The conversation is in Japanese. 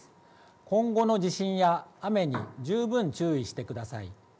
今後の地震や雨に十分注意してください。